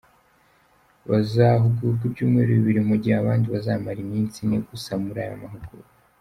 Bazahugurwa ibyumweru bibiri, mu gihe abandi bazamara iminsi ine gusa muri aya mahugurwa.